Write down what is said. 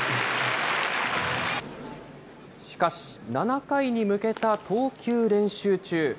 しかし、７回に向けた投球練習中。